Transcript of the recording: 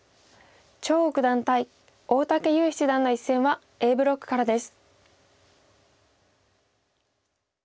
張栩九段対大竹優七段の一戦はＡブロックからです。